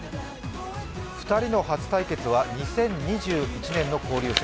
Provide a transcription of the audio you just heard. ２人の初対決は２０２１年の交流戦。